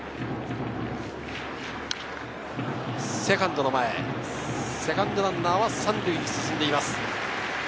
セカンドの前、セカンドランナーは３塁に進んでいます。